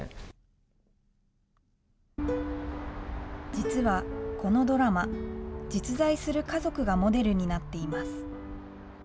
実はこのドラマ、実在する家族がモデルになっています。